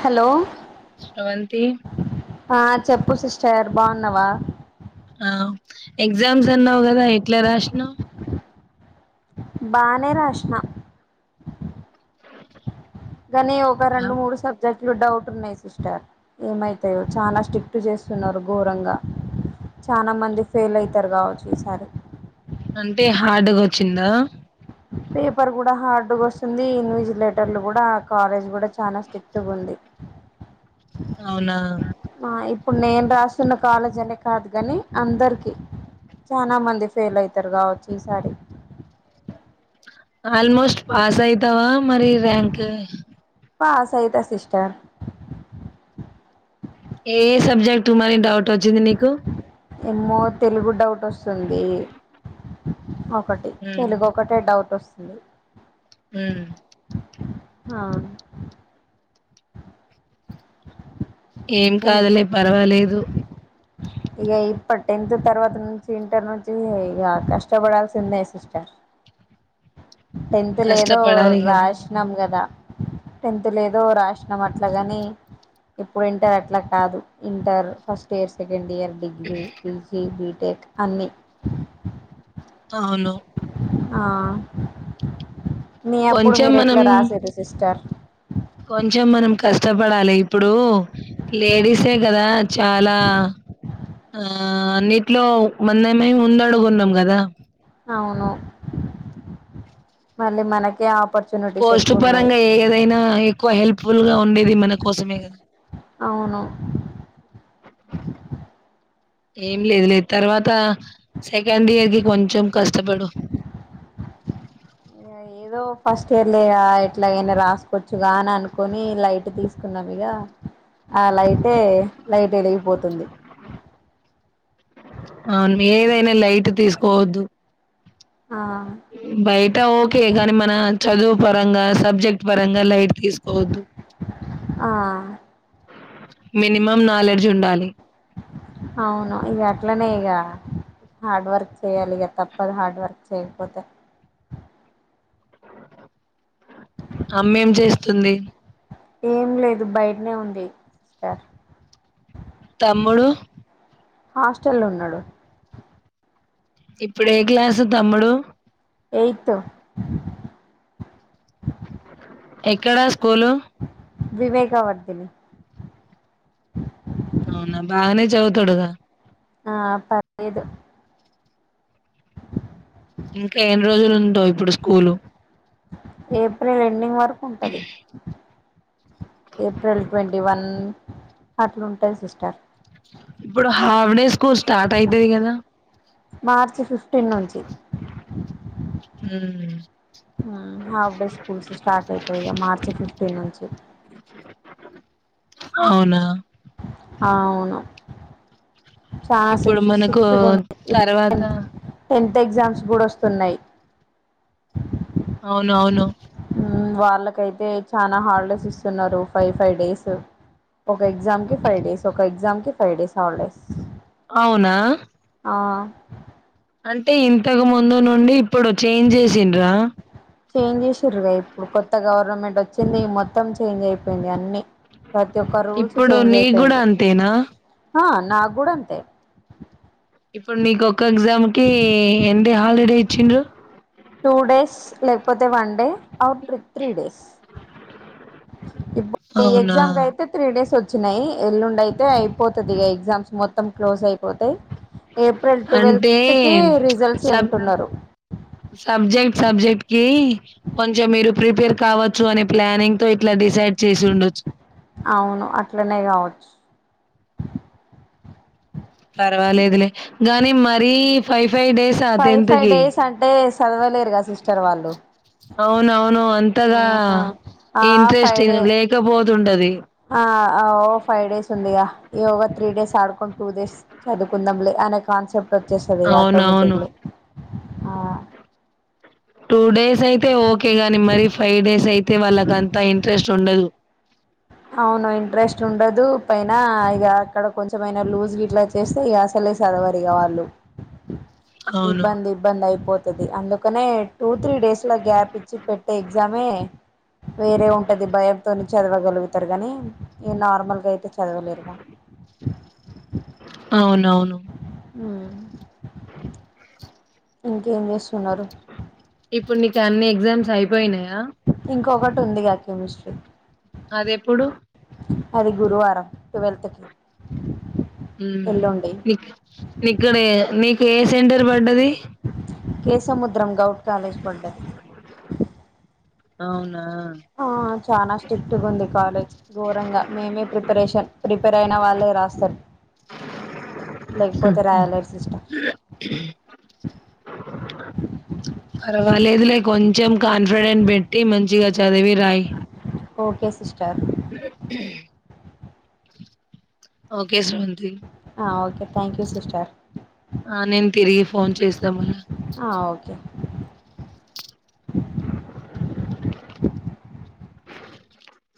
Hello Sravanthi ఆ చెప్పు sister బాగున్నావా ఆ ఎగ్జామ్స్ అన్నావు కదా ఎట్లా రాసినవ్ బానెరాష్నా గనీ ఒక రెండు మూడు సబ్జెక్ట్ ఫూల్ డౌట్ ఉన్నాయి సిస్టర్ ఏమవుతాయో చాలా స్ట్రిక్ట్ చేస్తున్నారు ఘోరంగా చాలా మంది ఫెయిల్ అయితారు కావచ్చు ఈసారి అంటే హార్డ్గా వచ్చిందా పేపర్ కూడా హార్డ్గా వస్తుంది ఇన్విజిలేటర్లు కూడా కాలేజ్ కూడా చాలా స్ట్రిక్ట్గా ఉంది అవునా ఆ, ఇప్పుడు నేను రాస్తున్న కాలేజ్ అనే కాదు కానీ అందరికిీ చానా మంది ఫెయిల్ అవుతారు కావచ్చు ఈసారి ఆల్మోస్ట్ పాస్ అయితావా మరి ర‌్యాంక్ పాసైత సిస్టర్ ఏ ఏ సబ్జెక్ట్ మని డౌట్ వచ్చింది నీకు ఏమో తెలుగు డౌట్ వస్తుంది ఓే ఒకటి ఉమ్ తెలుగు ఒకటే డౌట్ వస్తుంది సడు ఉమ్ హా ఏం కాదలే పర్వాలేదు ఇక ఇప్పడు టెన్త్ తర్వాత నుంచి ఇంటర్ నుంచి ఇక కష్టపడాల్సి ఉందే సిస్టర్ టెన్త్ లేదో కష్టపడాలి కదా రాసినాం కదా టెన్త్ లేదో రాసినం అట్లా గాని ఇప్పుడు ఇంటర్ అట్లా కాదు inter first year second year degree ఈసీ బి డేట్ అన్ని అవును ఆ మీ అప్పుడు కొంచెం మీరు ఎట్లా మనం రాసేది సిస్టర్. కొంచెం మనం కష్టపడాలి. ఇప్పుడు లేడీసే కదా చాలా ఆ అన్నిట్లో మందేమి ముందడుగున్నాం గదా. అవును మళ్ళీ మనకి ఆ పోస్టుపరంగా ఏదైనా ఎక్కువ హెల్ప్ఫుల్ గా ఉండేది మన కోసమే గద అవును ఏం లేదు లేదు తర్వాత సెకండ్ ఇయర్ కి కొంచెం కష్టపడు ఇ ఏదో ఫస్ట్ ఇయర్ లే ఎట్లాగైనా రాసుకోవచ్చుగా, అని అనుకుని లైట్ తీసుకున్నాన్ ఇగ. ఆ లైటే లైటెలిగిపోతుంది. అవును ఏదైనా లైట తీసుకోవద్దు. ఆ బైట ఓకే గాని మన చదువుపరంగా సబ్జెక్టపరంగా లైట్ తీసుకోవద్దు ఆ మినిమం నాలెడ్జ్ ఉండాలి. అవును ఇగ అట్లనే ఇగ హార్డ్ వర్క్ చేయాలి, ఇగ తప్పదు. హార్డ్ వర్క్ చేయకపోతే అమ్మేం జేస్తుంది. ఏం లేదు బయట్నే ఉంది సిస్టర్. తమ్ముడు హాస్టల్లొ ఉన్నాడు. ఇప్పుడు ఏ క్లాసు తమ్ముడు ఎయిత్తు ఎక్కడస్ కూలు వివేకావర్దిని తొడుగా ఆ పర్లేదు. ఉందా ఇప్పుడు స్కూలు ఏప్రిల్ ఎండింగ్ వరుకు ఉంటది. ఏప్రిల్ ట్వంటి వన్ అట్లుంటాయి. సిస్టర్ ఇప్పుడు హావడే స్కూల్ స్టార్ట్ అయితాయి కదా. మార్చ ఫిఫ్టీన్ నుంచి ఊ ఆహ్ హాఫ్ డే స్కూల్స్ స్టార్ట్ అయితాయి ఇంకా మార్చ్ ఫిఫ్టీన్ నుంచి. అవునా. ఆహ్ అవును. చాలా ఇప్పుడు సిక్స్ మనకు స్ట్రిక్ట్గా ఉన్నాయి ఇప్పుడు తర్వాత. ఆహ్ టెన్త్ ఎగ్జామ్స్ కూడా వస్తున్నాయి. అవును అవును. వాళ్ళకైతే చనా హాలిడేస్ ఇస్తున్నారు. ఫైవ్ ఫైవ్ డేస్ ఒక్ ఒక ఎగ్జామ్ కి ఫైవ్డేస్ ఒక ఎగ్జామ్ కి ఫైవ్ డేస్ హాలిడేస్. అవునా. ఆహ్ అంటే ఇంతకు ముందు నుండి. ఇప్పుడు చేంజ్ చేసిండ్రా. చేంజ్ చేసింన్రుగా ఇప్పుడు కొత్త గవర్నమెంట్ వచ్చింది మొత్తం చేంజ్ అయిపోయింది అన్ని ఇప్పుడు నీకు కూడా అంతేనా. ఆహ్ నాకు కూడా అంతే. ఇప్పుడు నీకు ఒక్క ఎగ్జామ్కి ఎన్ని హాలిడేస్ ఇచ్చిండ్రు. టూ డేస్ లేకపోతే one day or three three days. ఇప్పుడు ఈ అవునా ఎక్జామ్ కైతే త్రీ డేస్ వచ్ వచ్చినాయి ఎల్లుండి అయితే అయిపోతది ఇక ఎగ్జామ్స్ మొత్తం క్లోజ్ అయిపోతాయి. ఏప్రిల్ అంటే ట్వెల్త్ కి ప్చ్ రిజల్ట్స్ సబ్ అంటున్నారు సబ్జెక్ట్ సబ్జెక్ట్ కి. కొంచెం మీరు ప్రిపేర్ కావచ్చు అనే ప్లానింగ్ తో ఇట్లా డిసైడ్. చేసి ఉండొచ్చు అవును అట్లనే కావచ్చు. పర్వాలేదులే గానీ మరీ ఫైవ్ ఫైవ్ డేసా ఫైవ్ టెన్త్ ఫైవ్ కి. డేస్ అంటే చదవలేరుగా అవునవును. అంతగా ఆహ్ ఇంట్రెస్ట్ ఫైవ్ డేస్ లేకపోతుంటది ఆహ్ ఓ ఫైవ్ డేస్ ఉందిగా యోగా త్రీ డేస్ ఆడుకోని టూ డేస్. చదువుకుందాంలే అనే కాన్సెప్ట్. వచ్చేస్ది అవునవును ఆటోమటిక్లీ. ఆహ్ టూ డేస్ అయితే ఓకే గాని మరి ఫైవ్ డేస్ అయితే వాళ్ళకంతా ఇంట్రెస్ట్ ఉండదు. అవును ఇంట్రెస్ట్ ఉండదు పైన ఇగ అక్కడ కొంచెంమైనా లూజ్ ఇట్లా చేస్తే ఇక అసలే చదవరు ఇగ వాళ్ళు. అవును ఇబ్బంది ఇబ్బంది అయిపోత్ అందుకనే టూ త్రీ డేస్ల గ్యాప్ ఇచ్చి పెట్టే ఎగ్జామే వేరే ఉంటది భయంతోని చదవగలుగుతే తటర్ గాని ఇంక నార్మల్ గా అయితే చద్ చదవలేరుమా. ఆహ్ అవునవును మ్మ్ ఇంకేం చేస్తున్నారు ఇప్పుడు నీకు అన్ని ఎగ్జామ్స్ అయిపోయినాయా ఇంకొకటి ఉందిగా కెమిస్ట్రీ అది ఎప్పుడు అది గురువారం ట్వెల్త్ కి ఇక్కడ [unintelligible] ఏ సెంటర్ పడ్డది సముద్రం గౌట్ కాలేజ్ పడ్డది అవున్ ఆ చనా స్ట్రిక్ట్ ఉంది కాలేజ్ ఘోరంగా మేమే ప్రిపరేషన్ ప్రిపేర్ అయిన వాళ్ళే రాస్తారు లేకపోతే రాయలేరు సిస్టర్ [unintelligible] లేదు లే కొంచెం కాన్ఫిడెంట్స్ పెట్టి మంచిగా చదివి రాయి okay sister [inaudible] okay Sravanthi okay thank you sister ఆ నేను తిరిగి ఫోన్ చేస్తా మళ్ళా ఆ ఓకే